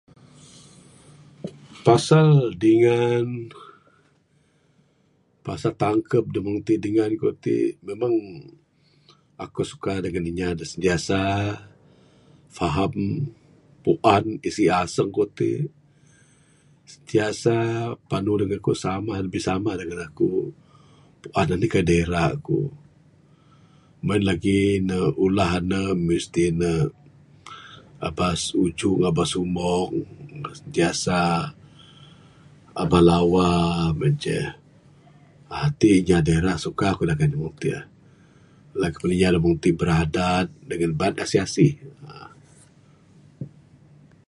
Pasal dingan pasal tangkeb da meng ti dingan ku ti memang aku suka dangan inya da sentiasa faham puan isi aseng ku ti sentiasa panu samah dangan bisamah dangan aku puan anih kayuh da ira aku. Meng en lagih ne ulah ne mesti ne aba sujung aba sumong sentiasa aba lawa meng en ce ti inya da ra suka ku dangan ne lagipun inya da meng ti bradat bait asih asih aaa.